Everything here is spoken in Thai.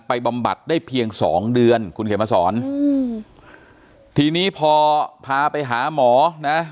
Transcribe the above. บำบัดได้เพียงสองเดือนคุณเขียนมาสอนอืมทีนี้พอพาไปหาหมอนะ